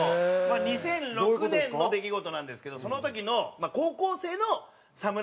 ２００６年の出来事なんですけどその時の高校生の侍ジャパンみたいな。